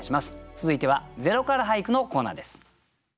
続いては「０から俳句」のコーナーです。